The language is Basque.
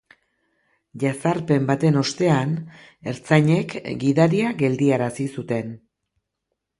Jazarpen baten ostean, ertzainek gidaria geldiarazi zuten.